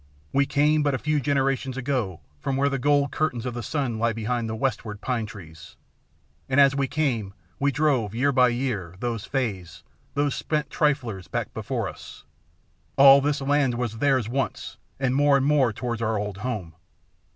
We came but a few generations ago from where the gold curtains of the sun lie behind the westward pine trees, and as we came we drove, year by year, those fays, those spent triflers, back before us. All this land was theirs once, and more and more towards our old home.